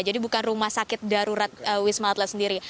jadi bukan rumah sakit darurat wisma atlet sendiri